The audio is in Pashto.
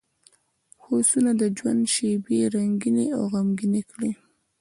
هوسونه د ژوند شېبې رنګینې او غمګینې کړي.